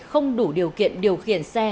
không đủ điều kiện điều khiển xe